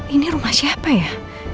ini rumah siapa ya